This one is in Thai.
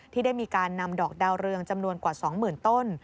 ที่ได้มีการนำดอกดาวเรืองจำนวนกว่า๒๐๐๐ต้น